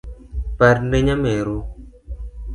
Parne nyameru